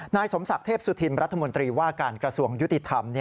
นายสมศักดิ์เทพสุธินรัฐมนตรีว่าการกระทรวงยุติธรรม